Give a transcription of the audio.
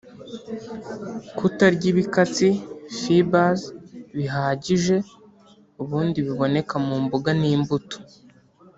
kutarya ibikatsi (fibres) bihagije (ubundi biboneka mu mboga n’imbuto)